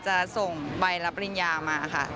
จะส่งใบรับปริญญามาค่ะ